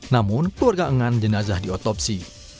namun keluarga enggan jenazah diotopsi